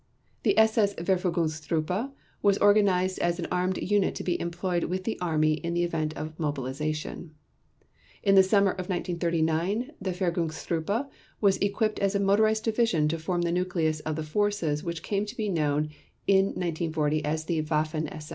The SS Verfügungstruppe was organized as an armed unit to be employed with the Army in the event of mobilization. In the summer of 1939, the Verfügungstruppe was equipped as a motorized division to form the nucleus of the forces which came to be known in 1940 as the Waffen SS.